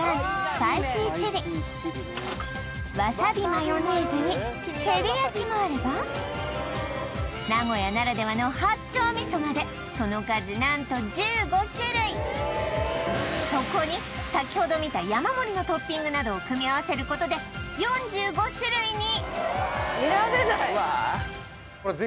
スパイシーチリわさびマヨネーズにテリヤキもあれば名古屋ならではの八丁みそまでその数何とそこに先ほど見た山盛りのトッピングなどを組み合わせることで４５種類に！